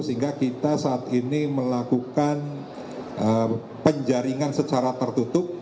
sehingga kita saat ini melakukan penjaringan secara tertutup